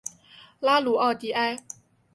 拉鲁奥迪埃。